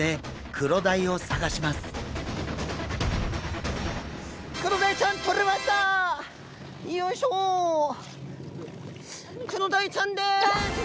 クロダイちゃんです。